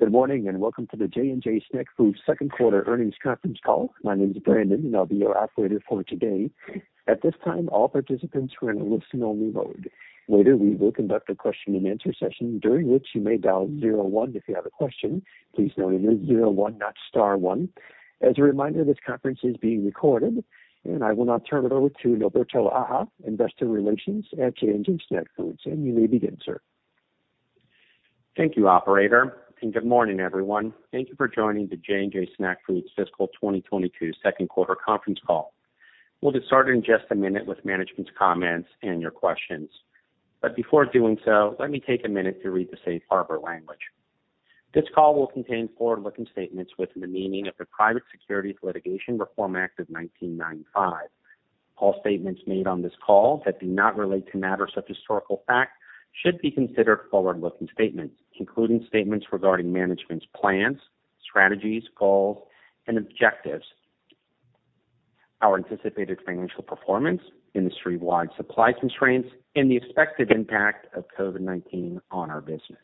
Good morning, and Welcome to the J&J Snack Foods Second Quarter Earnings Conference Call. My name is Brandon, and I'll be your operator for today. At this time, all participants are in a listen only mode. Later, we will conduct a question and answer session, during which you may dial zero one if you have a question. Please note it is zero one, not star one. As a reminder, this conference is being recorded. I will now turn it over to Norberto Aja, Investor Relations, J&J Snack Foods. You may begin, sir. Thank you, Operator, and good morning, everyone. Thank you for joining the J&J Snack Foods Fiscal 2022 Second Quarter Conference Call. We'll get started in just a minute with management's comments and your questions. Before doing so, let me take a minute to read the safe harbor language. This call will contain forward-looking statements within the meaning of the Private Securities Litigation Reform Act of 1995. All statements made on this call that do not relate to matters of historical fact should be considered forward-looking statements, including statements regarding management's plans, strategies, goals, and objectives, our anticipated financial performance, industry-wide supply constraints, and the expected impact of COVID-19 on our business.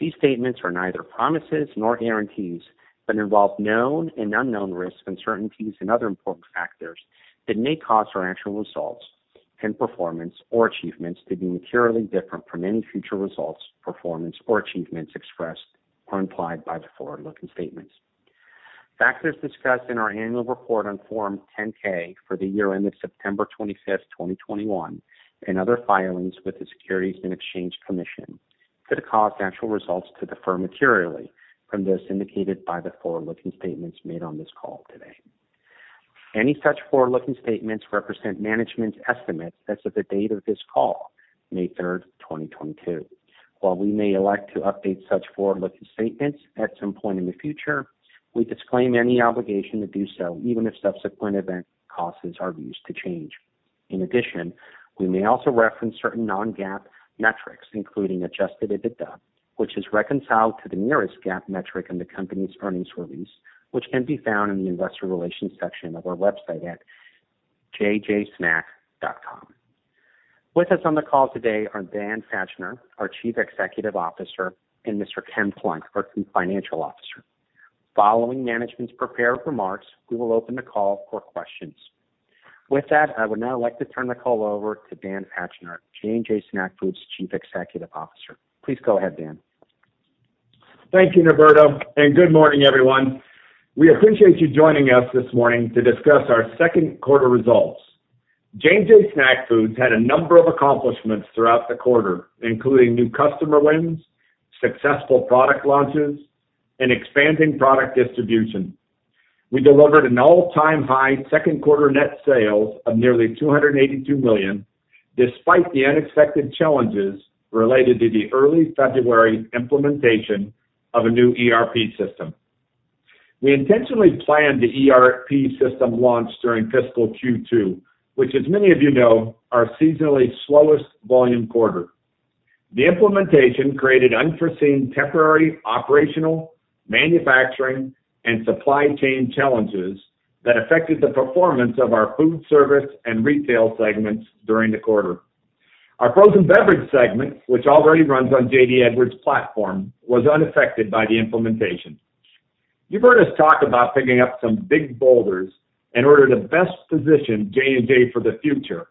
These statements are neither promises nor guarantees, but involve known and unknown risks, uncertainties and other important factors that may cause our actual results and performance or achievements to be materially different from any future results, performance or achievements expressed or implied by the forward-looking statements. Factors discussed in our annual report on Form 10-K for the year ended September 25, 2021, and other filings with the Securities and Exchange Commission could cause actual results to differ materially from those indicated by the forward-looking statements made on this call today. Any such forward-looking statements represent management's estimates as of the date of this call, May 3, 2022. While we may elect to update such forward-looking statements at some point in the future, we disclaim any obligation to do so, even if subsequent event causes our views to change. In addition, we may also reference certain non-GAAP metrics, including adjusted EBITDA, which is reconciled to the nearest GAAP metric in the company's earnings release, which can be found in the investor relations section of our website at jjsnack.com. With us on the call today are Dan Fachner, our Chief Executive Officer, and Mr. Ken Plunk, our Chief Financial Officer. Following management's prepared remarks, we will open the call for questions. With that, I would now like to turn the call over to Dan Fachner, J&J Snack Foods Chief Executive Officer. Please go ahead, Dan. Thank you, Norberto, and good morning, everyone. We appreciate you joining us this morning to discuss our second quarter results. J&J Snack Foods had a number of accomplishments throughout the quarter, including new customer wins, successful product launches, and expanding product distribution. We delivered an all-time high second quarter net sales of nearly $282 million, despite the unexpected challenges related to the early February implementation of a new ERP system. We intentionally planned the ERP system launch during fiscal Q2, which, as many of you know, our seasonally slowest volume quarter. The implementation created unforeseen temporary operational, manufacturing, and supply chain challenges that affected the performance of our food service and retail segments during the quarter. Our frozen beverage segment, which already runs on JD Edwards platform, was unaffected by the implementation. You've heard us talk about picking up some big boulders in order to best position J&J for the future,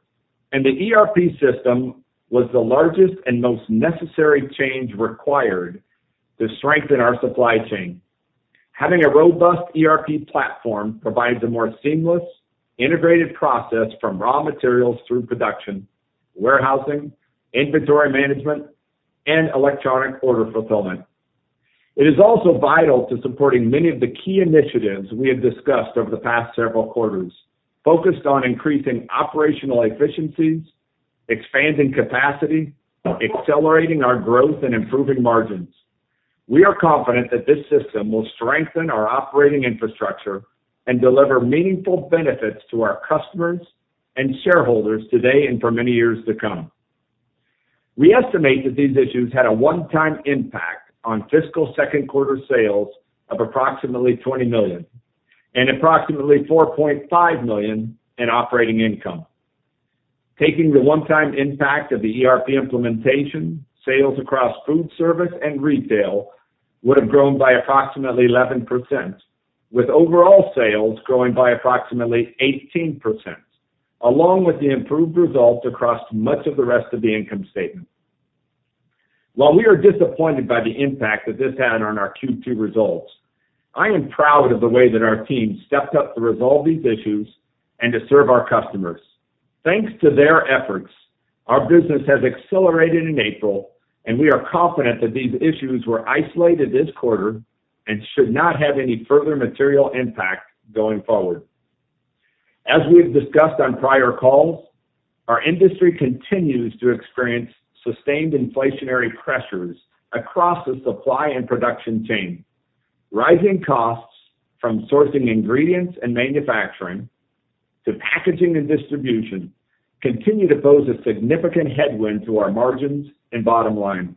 and the ERP system was the largest and most necessary change required to strengthen our supply chain. Having a robust ERP platform provides a more seamless, integrated process from raw materials through production, warehousing, inventory management, and electronic order Fulfillment. It is also vital to supporting many of the key initiatives we have discussed over the past several quarters, focused on increasing operational efficiencies, expanding capacity, accelerating our growth, and improving margins. We are confident that this system will strengthen our operating infrastructure and deliver meaningful benefits to our customers and shareholders today and for many years to come. We estimate that these issues had a one-time impact on fiscal second quarter sales of approximately $20 million and approximately $4.5 million in operating income. Taking the one-time impact of the ERP implementation, sales across food service and retail would have grown by approximately 11%, with overall sales growing by approximately 18%, along with the improved results across much of the rest of the income statement. While we are disappointed by the impact that this had on our Q2 results, I am proud of the way that our team stepped up to resolve these issues and to serve our customers. Thanks to their efforts, our business has accelerated in April, and we are confident that these issues were isolated this quarter and should not have any further material impact going forward. As we have discussed on prior calls, our industry continues to experience sustained inflationary pressures across the supply and production chain. Rising costs from sourcing ingredients and manufacturing to packaging and distribution continue to pose a significant headwind to our margins and bottom line.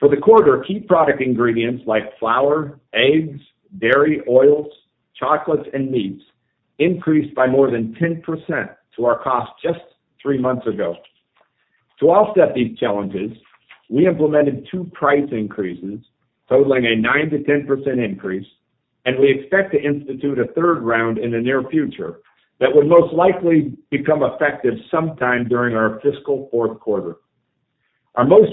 For the quarter, key product ingredients like flour, eggs, dairy, oils, chocolates, and meats increased by more than 10% into our costs just three months ago. To offset these challenges, we implemented two price increases totaling a 9%-10% increase, and we expect to institute a third round in the near future that would most likely become effective sometime during our fiscal fourth quarter. Our most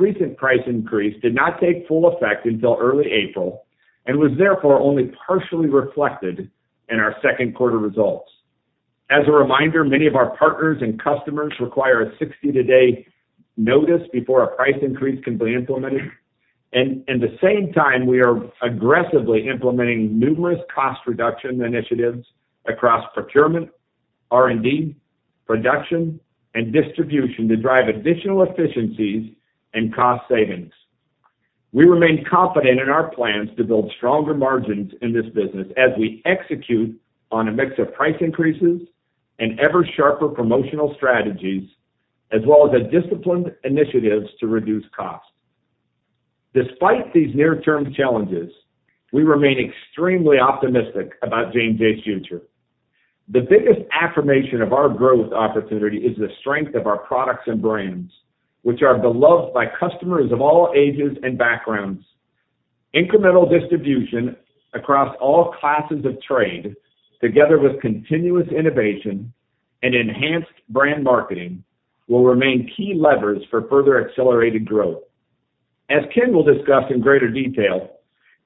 recent price increase did not take full effect until early April and was therefore only partially reflected in our second quarter results. As a reminder, many of our partners and customers require a 60-day notice before a price increase can be implemented. At the same time, we are aggressively implementing numerous cost reduction initiatives across procurement, R&D, production, and distribution to drive additional efficiencies and cost savings. We remain confident in our plans to build stronger margins in this business as we execute on a mix of price increases and ever sharper promotional strategies, as well as a disciplined initiatives to reduce costs. Despite these near-term challenges, we remain extremely optimistic about J&J's future. The biggest affirmation of our growth opportunity is the strength of our products and brands, which are beloved by customers of all ages and backgrounds. Incremental distribution across all classes of trade, together with continuous innovation and enhanced brand marketing, will remain key levers for further accelerated growth. As Ken will discuss in greater detail,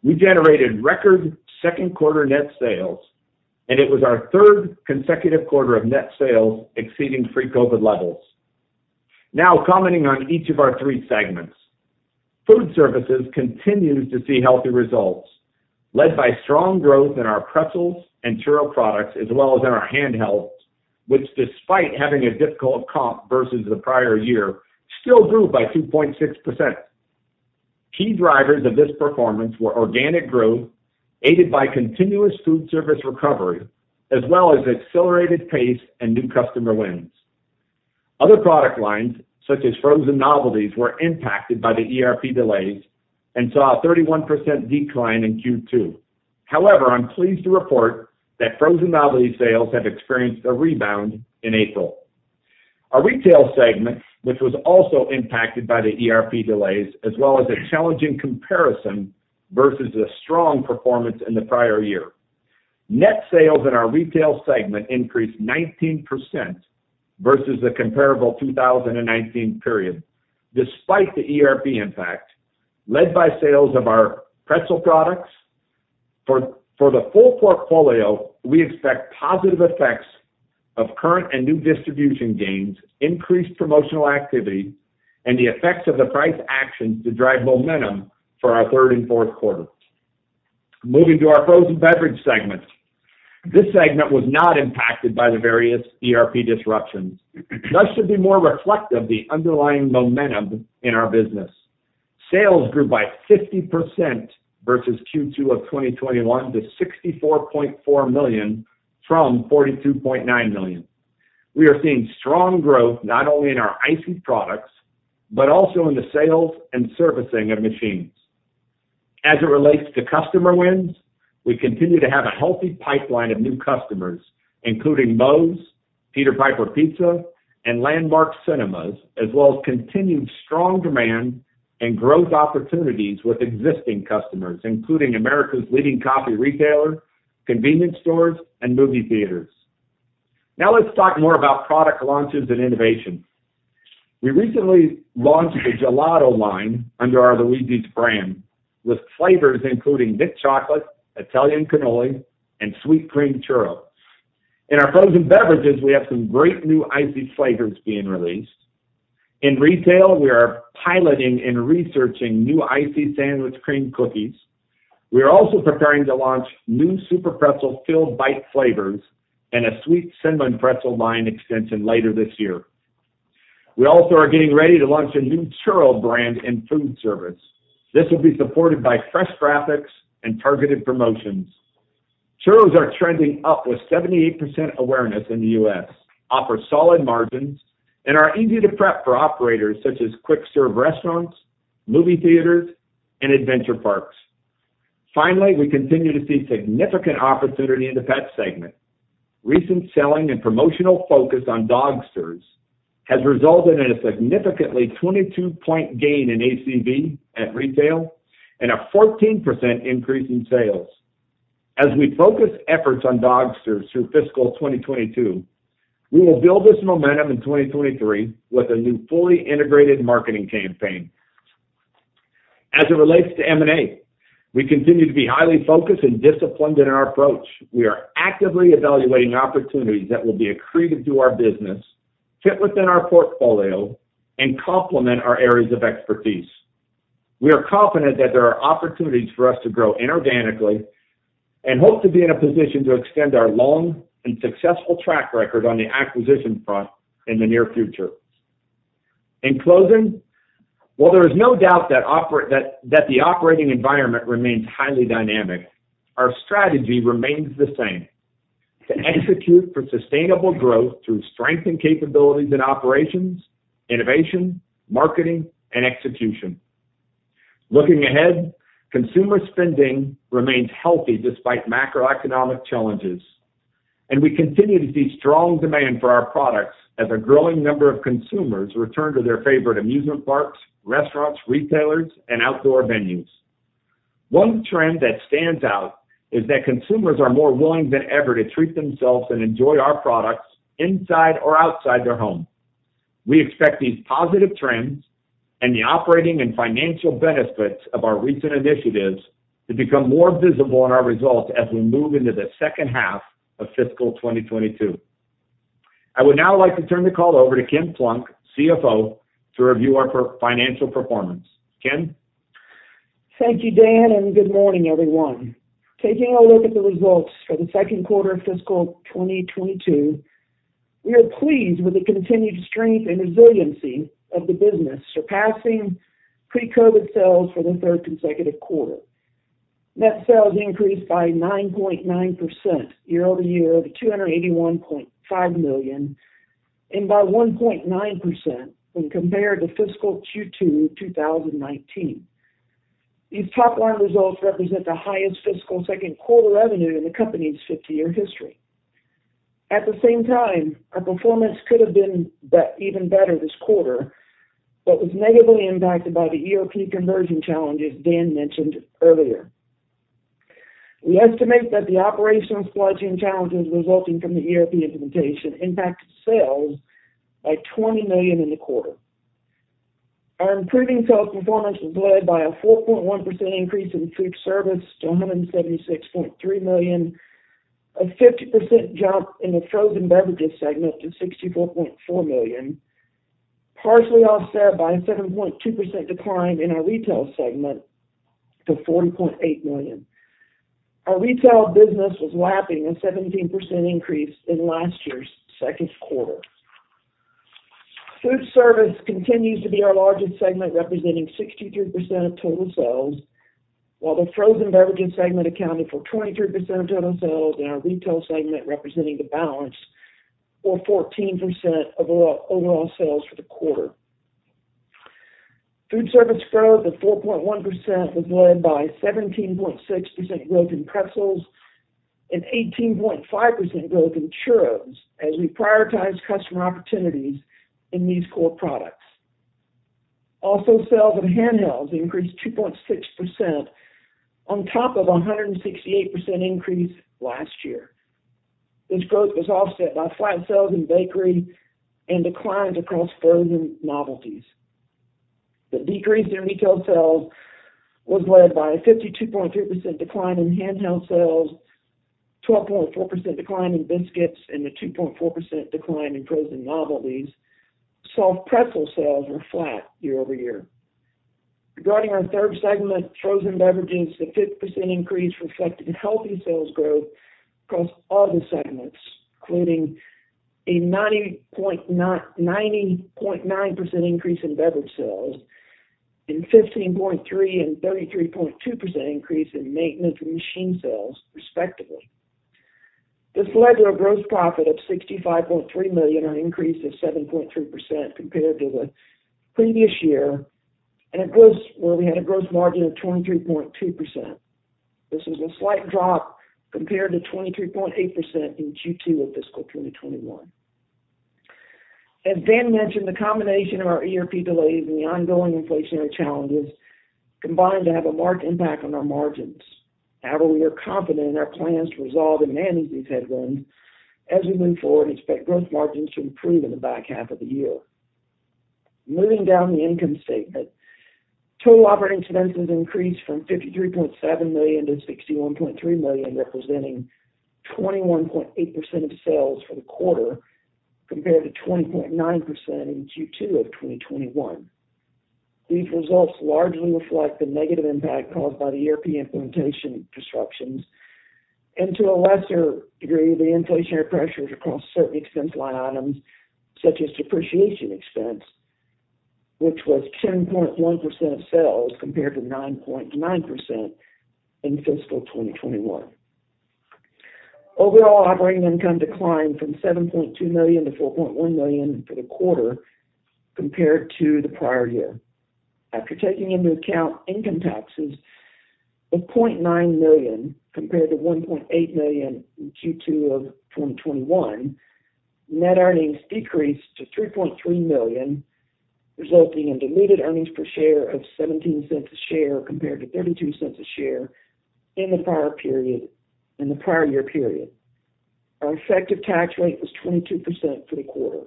we generated record second quarter net sales, and it was our third consecutive quarter of net sales exceeding pre-COVID levels. Now, commenting on each of our three segments. Food Service continues to see healthy results, led by strong growth in our pretzels and churros products, as well as in our handhelds, which despite having a difficult comp versus the prior year, still grew by 2.6%. Key drivers of this performance were organic growth, aided by continuous Food Service recovery, as well as accelerated pace and new customer wins. Other product lines, such as frozen novelties, were impacted by the ERP delays and saw a 31% decline in Q2. However, I'm pleased to report that frozen novelty sales have experienced a rebound in April. Our Retail segment, which was also impacted by the ERP delays, as well as a challenging comparison versus a strong performance in the prior year. Net sales in our retail segment increased 19% versus the comparable 2019 period, despite the ERP impact, led by sales of our pretzel products. For the full portfolio, we expect positive effects of current and new distribution gains, increased promotional activity, and the effects of the price action to drive momentum for our third and fourth quarters. Moving to our frozen beverage segment. This segment was not impacted by the various ERP disruptions, thus should be more reflective of the underlying momentum in our business. Sales grew by 50% versus Q2 of 2021 to $64.4 million from $42.9 million. We are seeing strong growth not only in our icy products, but also in the sales and servicing of machines. As it relates to customer wins, we continue to have a healthy pipeline of new customers, including Moe's, Peter Piper Pizza, and Landmark Cinemas, as well as continued strong demand and growth opportunities with existing customers, including America's leading coffee retailer, convenience stores, and movie theaters. Now let's talk more about product launches and innovation. We recently launched a gelato line under our Luigi's brand with flavors including thick chocolate, Italian cannoli, and sweet cream churro. In our frozen beverages, we have some great new ICEE flavors being released. In retail, we are piloting and researching new ICEE sandwich crème filled cookies. We are also preparing to launch new SUPERPRETZEL filled bite flavors and a sweet cinnamon pretzel line extension later this year. We also are getting ready to launch a new churro brand in food service. This will be supported by fresh graphics and targeted promotions. Churros are trending up with 78% awareness in the US, offer solid margins, and are easy to prep for operators such as quick serve restaurants, movie theaters, and adventure parks. Finally, we continue to see significant opportunity in the pet segment. Recent selling and promotional focus on Dogsters has resulted in a significantly 22-point gain in ACV at retail and a 14% increase in sales. As we focus efforts on Dogsters through fiscal 2022, we will build this momentum in 2023 with a new fully integrated marketing campaign. As it relates to M&A, we continue to be highly focused and disciplined in our approach. We are actively evaluating opportunities that will be accretive to our business, fit within our portfolio and complement our areas of expertise. We are confident that there are opportunities for us to grow inorganically and hope to be in a position to extend our long and successful track record on the acquisition front in the near future. In closing, while there is no doubt that the operating environment remains highly dynamic, our strategy remains the same, to execute for sustainable growth through strength and capabilities in operations, innovation, marketing, and execution. Looking ahead, consumer spending remains healthy despite macroeconomic challenges, and we continue to see strong demand for our products as a growing number of consumers return to their favorite amusement parks, restaurants, retailers, and outdoor venues. One trend that stands out is that consumers are more willing than ever to treat themselves and enjoy our products inside or outside their home. We expect these positive trends and the operating and financial benefits of our recent initiatives to become more visible in our results as we move into the second half of fiscal 2022. I would now like to turn the call over to Ken Plunk, CFO, to review our financial performance. Ken? Thank you, Dan, and good morning, everyone. Taking a look at the results for the Second Quarter of Fiscal 2022, we are pleased with the continued strength and resiliency of the business, surpassing pre-COVID sales for the third consecutive quarter. Net sales increased by 9.9% year-over-year to $281.5 million, and by 1.9% when compared to fiscal Q2 2019. These top-line results represent the highest fiscal second quarter revenue in the company's 50-year history. At the same time, our performance could have been even better this quarter, but was negatively impacted by the ERP conversion challenges Dan mentioned earlier. We estimate that the operational sluggish challenges resulting from the ERP implementation impacted sales by $20 million in the quarter. Our improving sales performance was led by a 4.1% increase in food service to $176.3 million, a 50% jump in the frozen beverages segment to $64.4 million, partially offset by a 7.2% decline in our retail segment to $40.8 million. Our retail business was lapping a 17% increase in last year's second quarter. Food service continues to be our largest segment, representing 63% of total sales, while the frozen beverages segment accounted for 23% of total sales and our retail segment representing the balance, or 14% of overall sales for the quarter. Food service growth of 4.1% was led by 17.6% growth in pretzels and 18.5% growth in churros as we prioritize customer opportunities in these core products. Sales of handhelds increased 2.6% on top of a 168% increase last year. This growth was offset by flat sales in bakery and declines across frozen novelties. The decrease in retail sales was led by a 52.3% decline in handheld sales, 12.4% decline in biscuits, and a 2.4% decline in frozen novelties. Soft pretzel sales were flat year-over-year. Regarding our third segment, frozen beverages, the 50% increase reflected healthy sales growth across all the segments, including a 90.9% increase in beverage sales and 15.3% and 33.2% increase in maintenance and machine sales, respectively. This led to a gross profit of $65.3 million, an increase of 7.3% compared to the previous year, and a gross margin of 23.2%. This is a slight drop compared to 23.8% in Q2 of fiscal 2021. As Dan mentioned, the combination of our ERP delays and the ongoing inflationary challenges combined to have a marked impact on our margins. However, we are confident in our plans to resolve and manage these headwinds as we move forward and expect gross margins to improve in the back half of the year. Moving down the income statement. Total operating expenses increased from $53.7 million to $61.3 million, representing 21.8% of sales for the quarter, compared to 20.9% in Q2 of 2021. These results largely reflect the negative impact caused by the ERP implementation disruptions and, to a lesser degree, the inflationary pressures across certain expense line items, such as depreciation expense, which was 10.1% of sales compared to 9.9% in fiscal 2021. Overall operating income declined from $7.2 million to $4.1 million for the quarter compared to the prior year. After taking into account income taxes of $0.9 million compared to $1.8 million in Q2 of 2021, net earnings decreased to $3.3 million, resulting in diluted earnings per share of $0.17 compared to $0.32 in the prior year period. Our effective tax rate was 22% for the quarter.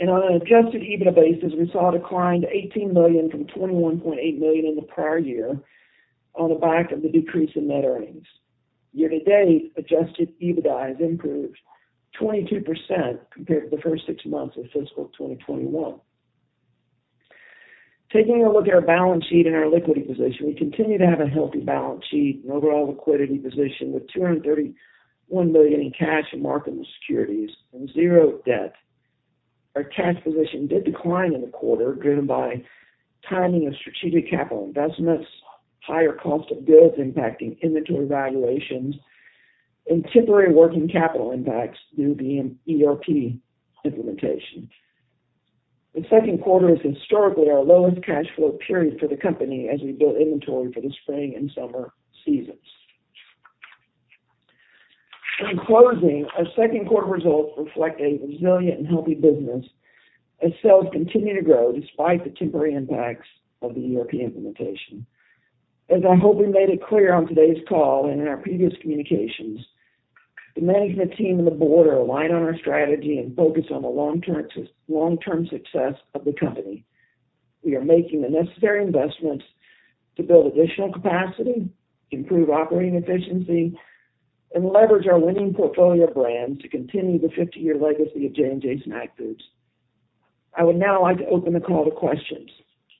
On an adjusted EBITDA basis, we saw a decline to $18 million from $21.8 million in the prior year on the back of the decrease in net earnings. Year-to-date, adjusted EBITDA has improved 22% compared to the first six months of fiscal 2021. Taking a look at our balance sheet and our liquidity position, we continue to have a healthy balance sheet and overall liquidity position with $231 million in cash and marketable securities and zero debt. Our cash position did decline in the quarter, driven by timing of strategic capital investments, higher cost of goods impacting inventory valuations. Temporary working capital impacts due to the ERP implementation. The second quarter is historically our lowest cash flow period for the company as we build inventory for the spring and summer seasons. In closing, our second quarter results reflect a resilient and healthy business as sales continue to grow despite the temporary impacts of the ERP implementation. As I hope we made it clear on today's call and in our previous communications, the management team and the board are aligned on our strategy and focused on the long-term success of the company. We are making the necessary investments to build additional capacity, improve operating efficiency, and leverage our winning portfolio brands to continue the 50-year legacy of J&J Snack Foods. I would now like to open the call to questions.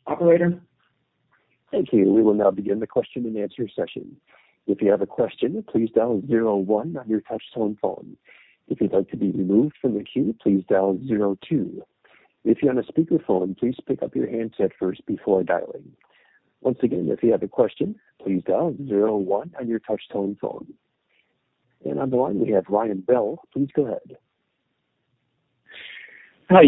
Operator? Thank you. We will now begin the question and answer session. If you have a question, please dial zero one on your touchtone phone. If you'd like to be removed from the queue, please dial zero two. If you're on a speakerphone, please pick up your handset first before dialing. Once again, if you have a question, please dial zero one on your touchtone phone. On the line, we have Ryan Bell. Please go ahead. Hi.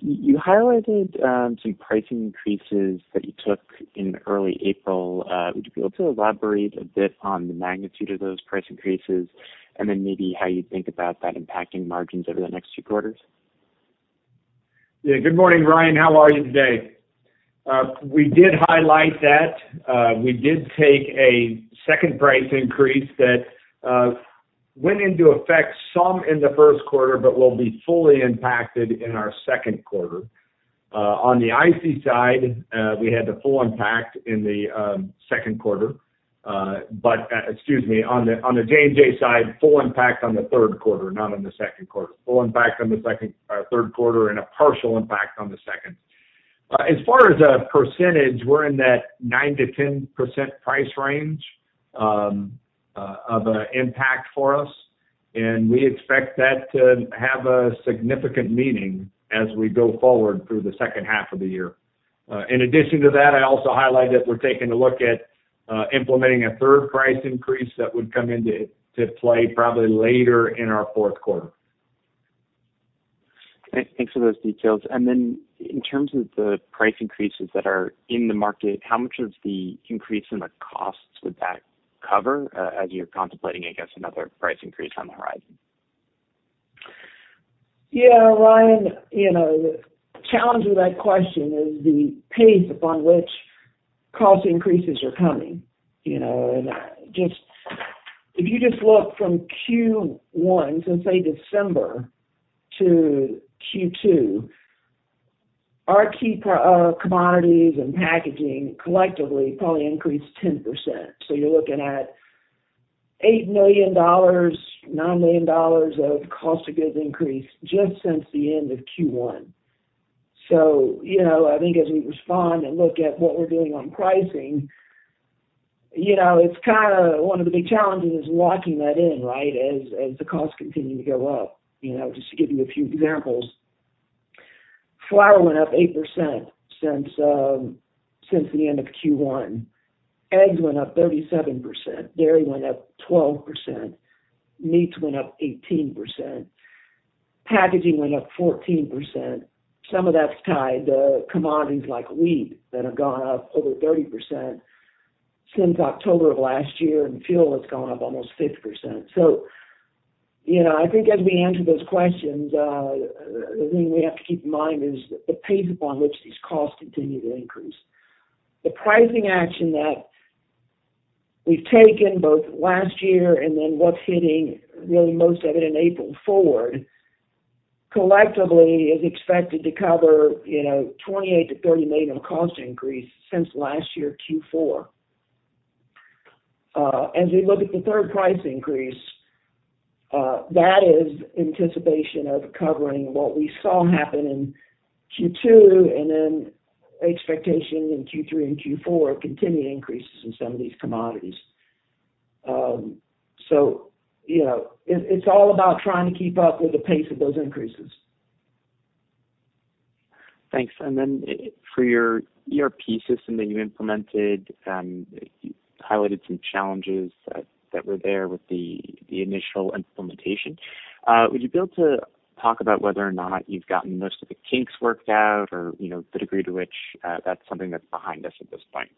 You highlighted some price increases that you took in early April. Would you be able to elaborate a bit on the magnitude of those price increases? Maybe how you think about that impacting margins over the next few quarters? Yeah. Good morning, Ryan. How are you today? We did highlight that. We did take a second price increase that went into effect sometime in the first quarter, but will be fully impacted in our second quarter. On the ICEE side, we had the full impact in the second quarter. Excuse me. On the J&J side, full impact on the third quarter, not on the second quarter. Full impact on the third quarter and a partial impact on the second. As far as a percentage, we're in that 9%-10% price range of an impact for us, and we expect that to have a significant meaning as we go forward through the second half of the year. In addition to that, I also highlighted we're taking a look at implementing a third price increase that would come into play probably later in our fourth quarter. Thanks for those details. In terms of the price increases that are in the market, how much of the increase in the costs would that cover, as you're contemplating, I guess, another price increase on the horizon? Yeah. Ryan, you know, the challenge with that question is the pace upon which cost increases are coming, you know. If you just look from Q1, so say December to Q2, our key commodities and packaging collectively probably increased 10%. You're looking at $8 million, $9 million of cost of goods increase just since the end of Q1. You know, I think as we respond and look at what we're doing on pricing, you know, it's kinda one of the big challenges is locking that in, right, as the costs continue to go up, you know. Just to give you a few examples, flour went up 8% since the end of Q1. Eggs went up 37%. Dairy went up 12%. Meats went up 18%. Packaging went up 14%. Some of that's tied to commodities like wheat that have gone up over 30% since October of last year, and fuel has gone up almost 50%. You know, I think as we answer those questions, the thing we have to keep in mind is the pace upon which these costs continue to increase. The pricing action that we've taken both last year and then what's hitting really most of it in April forward, collectively is expected to cover $28-$30 million of cost increase since last year, Q4. As we look at the third price increase, that is anticipation of covering what we saw happen in Q2 and then expectation in Q3 and Q4 of continued increases in some of these commodities. You know, it's all about trying to keep up with the pace of those increases. Thanks. For your ERP system that you implemented, you highlighted some challenges that were there with the initial implementation. Would you be able to talk about whether or not you've gotten most of the kinks worked out or, you know, the degree to which that's something that's behind us at this point?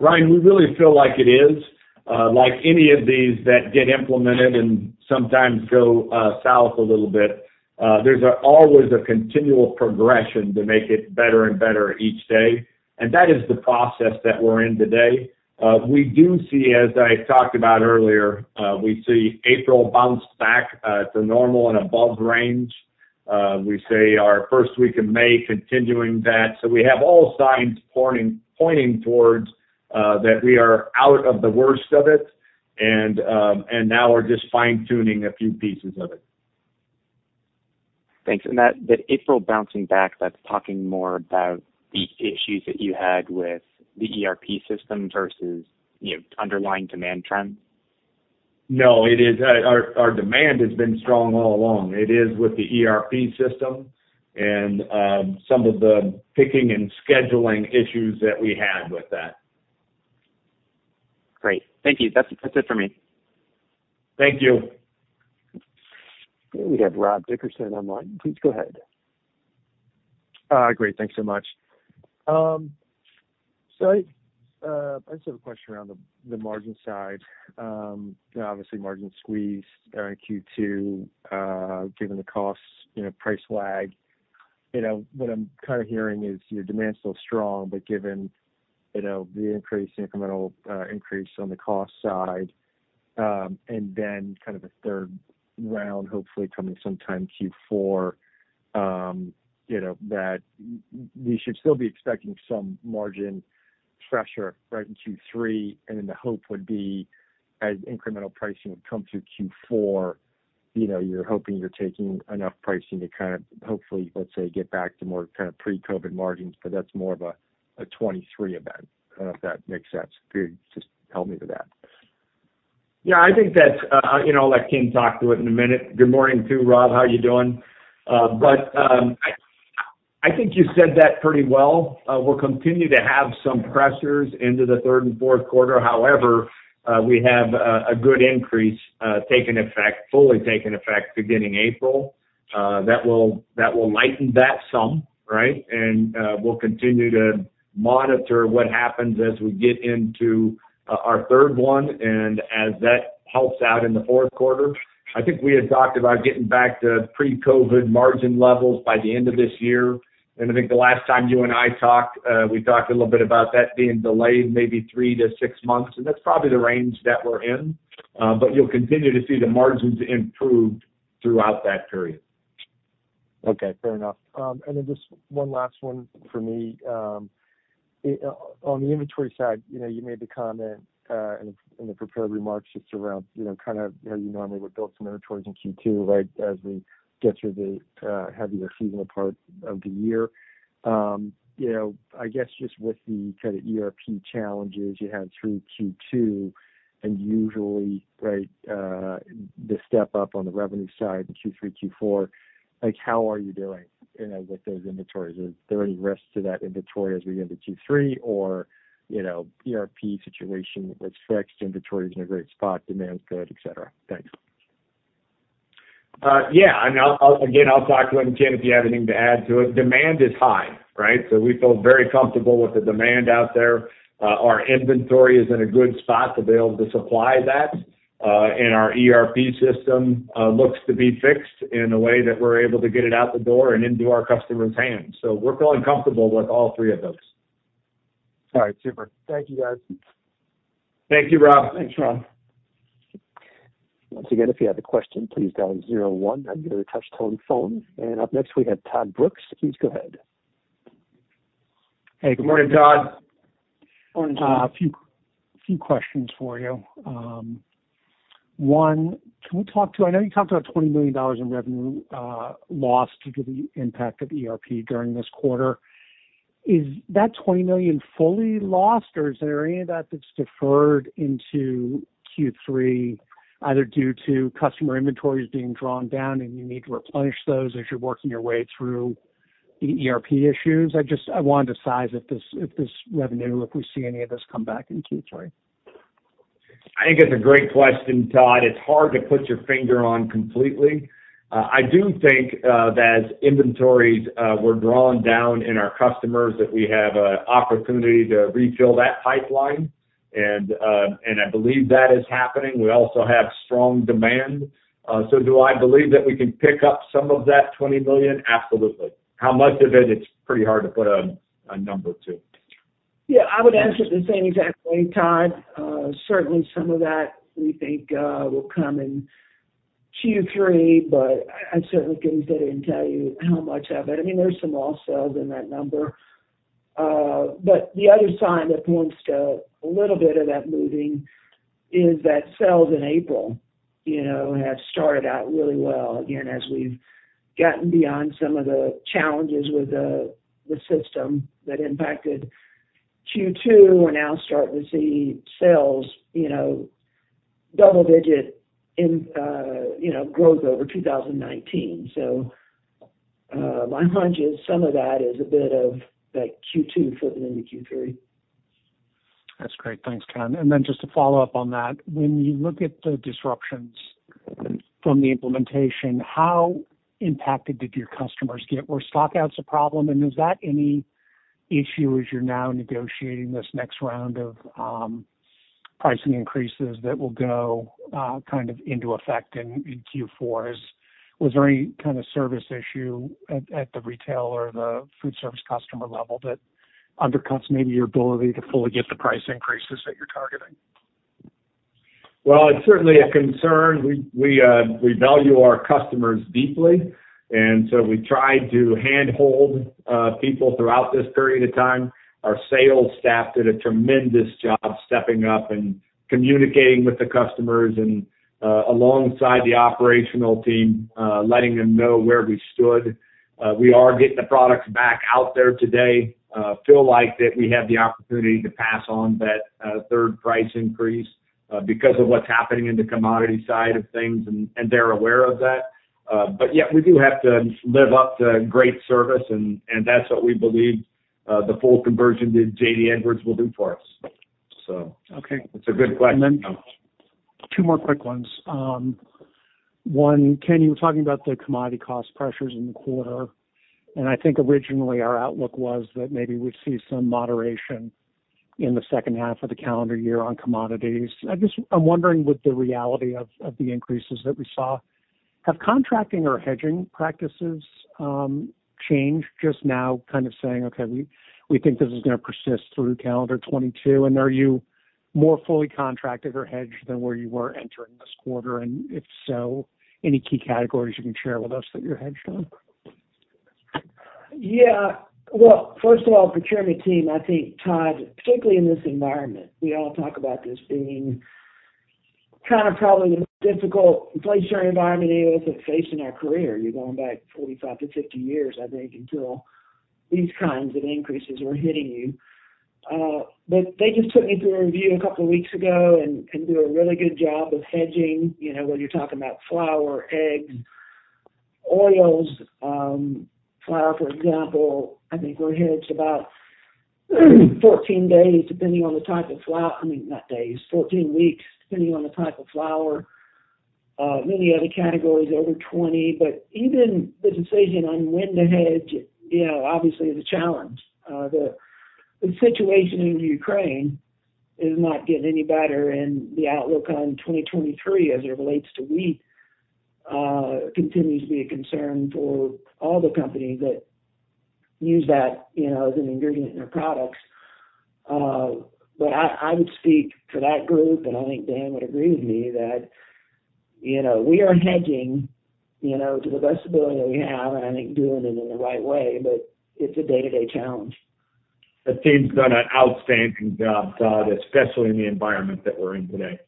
Ryan, we really feel like it is. Like any of these that get implemented and sometimes go south a little bit, there's always a continual progression to make it better and better each day, and that is the process that we're in today. We do see, as I talked about earlier, we see April bounce back to normal and above range. We see our first week of May continuing that. We have all signs pointing towards that we are out of the worst of it and now we're just fine-tuning a few pieces of it. Thanks. That April bouncing back, that's talking more about the issues that you had with the ERP system versus, you know, underlying demand trends? No, it is. Our demand has been strong all along. It is with the ERP system and some of the picking and scheduling issues that we had with that. Great. Thank you. That's it for me. Thank you. We have Rob Dickerson on the line. Please go ahead. Great. Thanks so much. So, I just have a question around the margin side. You know, obviously margin squeeze during Q2, given the costs, you know, price lag. You know, what I'm kinda hearing is your demand's still strong, but given, you know, the increase, incremental, increase on the cost side, and then kind of a third round hopefully coming sometime Q4, you know, that we should still be expecting some margin pressure right in Q3, and then the hope would be as incremental pricing would come through Q4, you know, you're hoping you're taking enough pricing to kind of hopefully, let's say, get back to more kind of pre-COVID margins, but that's more of a 2023 event. If that makes sense. Could you just help me with that? Yeah, I think that's, you know, I'll let Ken talk to it in a minute. Good morning to you, Rob. How are you doing? I think you said that pretty well. We'll continue to have some pressures into the third and fourth quarter. However, we have a good increase taking effect, fully taking effect beginning April, that will lighten that sum, right? We'll continue to monitor what happens as we get into our third one and as that helps out in the fourth quarter. I think we had talked about getting back to pre-COVID margin levels by the end of this year. I think the last time you and I talked, we talked a little bit about that being delayed maybe 3 to 6 months, and that's probably the range that we're in. You'll continue to see the margins improved throughout that period. Okay, fair enough. Just one last one for me. On the inventory side, you know, you made the comment in the prepared remarks just around, you know, kind of how you normally would build some inventories in Q2, right, as we get through the heavier seasonal part of the year. You know, I guess just with the kinda ERP challenges you had through Q2 and usually, right, the step up on the revenue side in Q3, Q4, like, how are you doing, you know, with those inventories? Is there any risk to that inventory as we get into Q3 or, you know, ERP situation was fixed, inventory is in a great spot, demand's good, et cetera? Thanks. I'll talk to it again, and Ken, if you have anything to add to it. Demand is high, right? We feel very comfortable with the demand out there. Our inventory is in a good spot to be able to supply that. Our ERP system looks to be fixed in a way that we're able to get it out the door and into our customers' hands. We're feeling comfortable with all three of those. All right, super. Thank you, guys. Thank you, Rob. Thanks, Rob. Once again, if you have a question, please dial zero one on your touch tone phone. Up next we have Todd Brooks. Please go ahead. Hey, good morning, Todd. Morning, Todd. A few questions for you. One, I know you talked about $20 million in revenue lost due to the impact of ERP during this quarter. Is that $20 million fully lost, or is there any of that that's deferred into Q3, either due to customer inventories being drawn down and you need to replenish those as you're working your way through the ERP issues? I just want to see if any of this revenue will come back in Q3. I think it's a great question, Todd. It's hard to put your finger on completely. I do think that inventories were drawn down in our customers that we have an opportunity to refill that pipeline. I believe that is happening. We also have strong demand. Do I believe that we can pick up some of that $20 million? Absolutely. How much of it's pretty hard to put a number to. Yeah, I would answer it the same exact way, Todd. Certainly some of that we think will come in Q3, but I certainly couldn't sit here and tell you how much of it. I mean, there's some lost sales in that number. But the other sign that points to a little bit of that moving is that sales in April, you know, have started out really well. Again, as we've gotten beyond some of the challenges with the system that impacted Q2, we're now starting to see sales, you know, double digit in growth over 2019. My hunch is some of that is a bit of that Q2 flipping into Q3. That's great. Thanks, Ken. Just to follow up on that, when you look at the disruptions from the implementation, how impacted did your customers get? Were stockouts a problem, and is that any issue as you're now negotiating this next round of pricing increases that will go kind of into effect in Q4? Was there any kind of service issue at the retail or the food service customer level that undercuts maybe your ability to fully get the price increases that you're targeting? Well, it's certainly a concern. We value our customers deeply, and so we try to hand-hold people throughout this period of time. Our sales staff did a tremendous job stepping up and communicating with the customers and, alongside the operational team, letting them know where we stood. We are getting the products back out there today. We feel like that we have the opportunity to pass on that third price increase because of what's happening in the commodity side of things, and they're aware of that. Yeah, we do have to live up to great service, and that's what we believe the full conversion to JD Edwards will do for us. Okay. It's a good question. Two more quick ones. One, Ken, you were talking about the commodity cost pressures in the quarter, and I think originally our outlook was that maybe we'd see some moderation in the second half of the calendar year on commodities. I'm wondering with the reality of the increases that we saw, have contracting or hedging practices changed just now kind of saying, Okay, we think this is gonna persist through calendar 2022, and are you more fully contracted or hedged than where you were entering this quarter? If so, any key categories you can share with us that you're hedged on? Yeah. Well, first of all, procurement team, I think, Todd, particularly in this environment, we all talk about this being kind of probably the most difficult inflationary environment any of us have faced in our career. You're going back 45-50 years, I think, until these kinds of increases were hitting you. But they just took me through a review a couple weeks ago and can do a really good job of hedging, you know, whether you're talking about flour, eggs, oils. Flour, for example, I think we're hedged about 14 days, depending on the type of flour. I mean, not days, 14 weeks, depending on the type of flour. Many other categories over 20. But even the decision on when to hedge, you know, obviously is a challenge. The situation in Ukraine is not getting any better, and the outlook on 2023 as it relates to wheat continues to be a concern for all the companies that use that, you know, as an ingredient in their products. I would speak for that group, and I think Dan would agree with me that, you know, we are hedging, you know, to the best ability that we have, and I think doing it in the right way, but it's a day-to-day challenge. The team's done an outstanding job, Todd, especially in the environment that we're in today.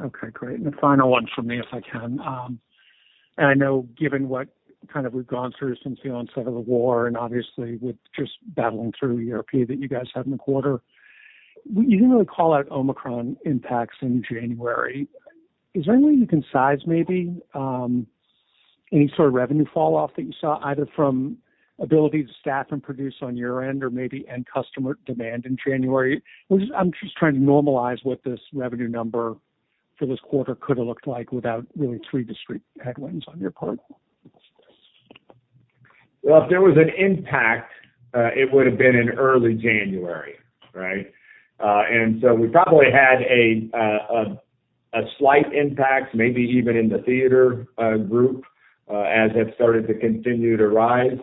Okay, great. A final one from me, if I can. I know given what kind of we've gone through since the onset of the war and obviously with just battling through ERP that you guys had in the quarter, you didn't really call out Omicron impacts in January. Is there any way you can size maybe, any sort of revenue fall off that you saw either from ability to staff and produce on your end or maybe end customer demand in January? I'm just trying to normalize what this revenue number for this quarter could have looked like without really three discrete headwinds on your part. Well, if there was an impact, it would have been in early January, right? We probably had a slight impact maybe even in the theater group, as it started to continue to rise.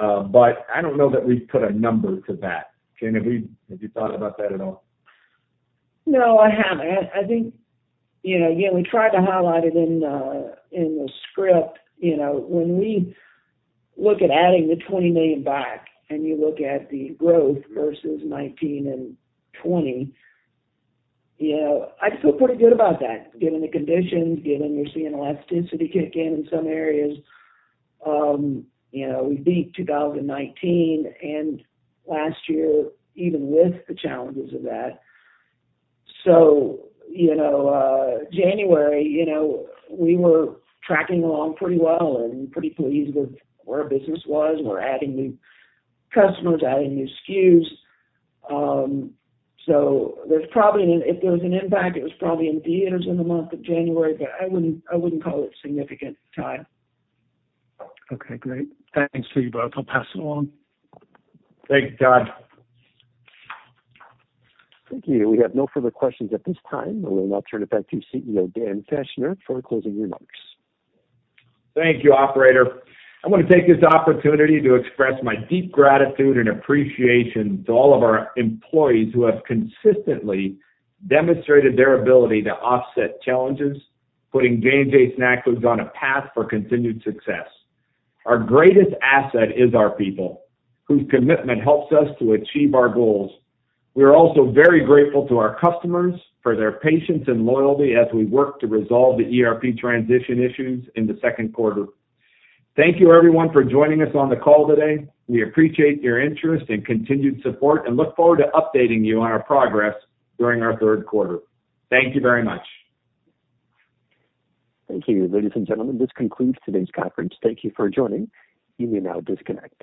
I don't know that we've put a number to that. Ken, have you thought about that at all? No, I haven't. I think, you know, again, we tried to highlight it in the script. You know, when we look at adding the $20 million back and you look at the growth versus 2019 and 2020, you know, I just feel pretty good about that given the conditions, given you're seeing elasticity kick in in some areas. You know, we beat 2019 and last year, even with the challenges of that. You know, January, you know, we were tracking along pretty well and pretty pleased with where our business was, and we're adding new customers, adding new SKUs. There's probably an impact, if there was an impact, it was probably in theaters in the month of January, but I wouldn't call it significant, Todd. Okay, great. Thanks to you both. I'll pass it along. Thank you, Todd. Thank you. We have no further questions at this time. I will now turn it back to CEO, Dan Fachner, for closing remarks. Thank you, operator. I wanna take this opportunity to express my deep gratitude and appreciation to all of our employees who have consistently demonstrated their ability to offset challenges, putting J&J Snack Foods on a path for continued success. Our greatest asset is our people, whose commitment helps us to achieve our goals. We are also very grateful to our customers for their patience and loyalty as we work to resolve the ERP transition issues in the second quarter. Thank you everyone for joining us on the call today. We appreciate your interest and continued support, and look forward to updating you on our progress during our third quarter. Thank you very much. Thank you. Ladies and Gentlemen, this concludes today's conference. Thank you for joining. You may now disconnect.